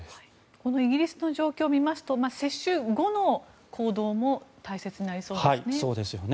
このイギリスの状況を見ますと接種後の行動も大切になりそうですね。